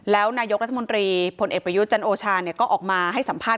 แล้วนายกรัฐมนตรีพลเอกประยุทธ์จันโอชาก็ออกมาให้สัมภาษณ